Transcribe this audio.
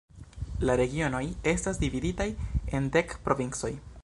La Regionoj estas dividitaj en dek provincoj.